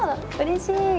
うれしい。